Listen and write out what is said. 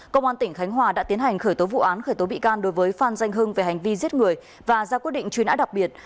công an tỉnh khánh hòa đã tiến hành khởi tố vụ án khởi tố bị can đối với phan danh hưng về hành vi giết người và ra quyết định truy nã đặc biệt